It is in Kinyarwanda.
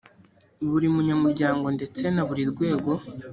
buri munyamuryango ndetse na buri rwego